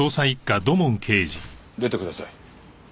出てください。